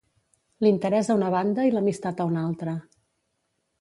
L'interès a una banda i l'amistat a una altra.